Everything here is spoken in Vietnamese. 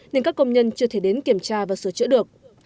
nên các công nhân chưa thể đến kiểm tra và sửa chữa được